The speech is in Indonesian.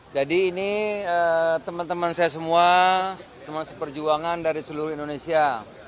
jadi ini teman teman saya semua teman seperjuangan dari seluruh indonesia